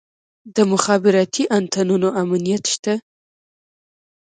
د مخابراتي انتنونو امنیت شته؟